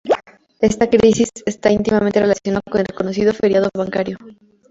Esta crisis esta íntimamente relacionada con el conocido "Feriado Bancario".